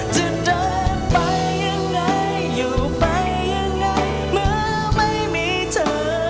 จะเดินไปยังไงอยู่ไปยังไงเมื่อไม่มีเธอ